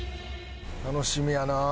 楽しみやなあ。